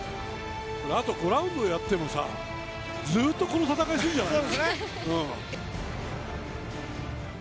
あと５ラウンドやってもずっとこの戦いするんじゃない？